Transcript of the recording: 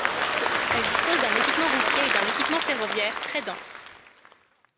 Elle dispose d'un équipement routier et d'un équipement ferroviaire très denses.